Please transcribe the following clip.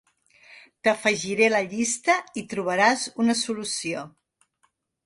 T'afegiré a la llista i trobaràs una solució.